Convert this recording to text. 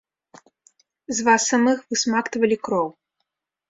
З вас самых высмактвалі кроў.